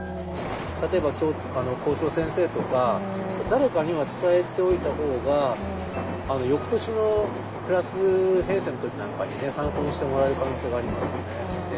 例えば校長先生とか誰かには伝えておいた方が翌年のクラス編成の時なんかに参考にしてもらえる可能性がありますよね。